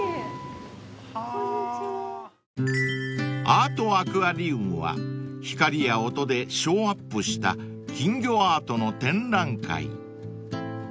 ［アートアクアリウムは光や音でショーアップした金魚アートの展覧会］